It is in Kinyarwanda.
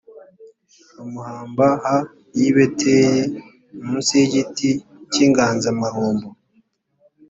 bamuhamba ha y i beteli munsi y igiti cy inganzamarumbo